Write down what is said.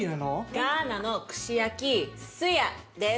ガーナの串焼きスヤです。